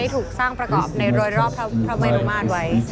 ที่ถูกสร้างประกอบในรอยรอบพระเวโรมานไว้